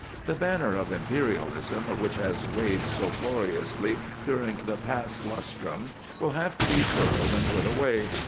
The banner of Imperialism which has waved so gloriously during the past lustrum will have to be furled and put away.